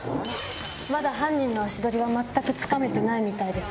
まだ犯人の足取りは全くつかめてないみたいです。